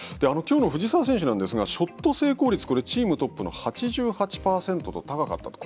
きょうの藤澤選手なんですがショット成功率、チームトップの８８％と高かった。